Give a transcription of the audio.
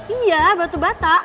iya batu bata